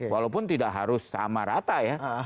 walaupun tidak harus sama rata ya